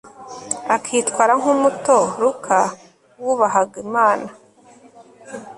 akitwara nk umuto luka wubahaga imana